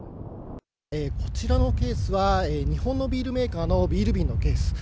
こちらのケースは、日本のビールメーカーのビール瓶のケース。